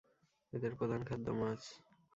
এদের প্রধান খাদ্য মাছ।